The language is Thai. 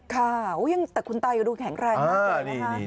ค่ะแต่คุณตายังดูแข็งแรงมากเลยนะคะ